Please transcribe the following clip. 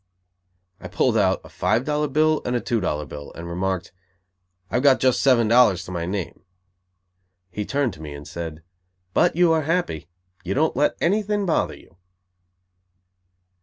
I pulled out a five dollar bill and a two dollar bill and remarked: "I've got just seven dollars to my name." He turned to me and said: "But you are happy. You don't let anything bother you."